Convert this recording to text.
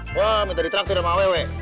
wah minta di traktir sama awewe